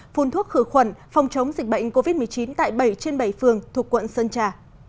phun thuốc khử khuẩn phòng chống dịch bệnh covid một mươi chín tại bảy trên bảy phường thuộc quận sơn trà